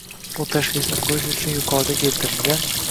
Bu tashxisni qo‘yish uchun yuqorida keltirilgan